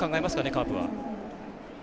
カープは。